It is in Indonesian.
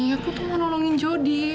aku tuh mau nolongin jodi